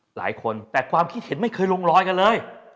หลายคนแต่ความคิดเห็นไม่เคยลงรอยกันเลย